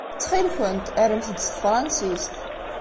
Ttxil-kent, rremt-d s tefṛansist.